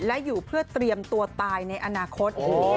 และอยู่เพื่อเตรียมตัวตายในอนาคต